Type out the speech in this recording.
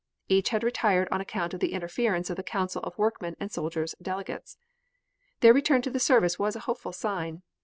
Each had retired on account of the interference of the Council of Workmen and Soldiers' delegates. Their return to the service was a hopeful sign.